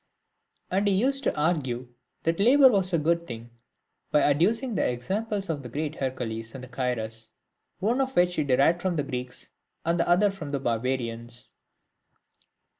III. And he used to argue that labour was a good thing, by adducing the examples of the great Hercules, and of Cyrus, one of which he derived from the Greeks and the other from the barbarians.